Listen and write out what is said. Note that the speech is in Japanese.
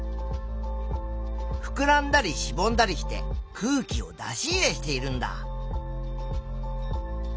ふくらんだりしぼんだりして空気を出し入れしているんだ。